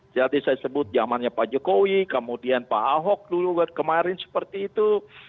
seperti saya sebut zamannya pak jokowi kemudian pak ahok dulu kemarin seperti itu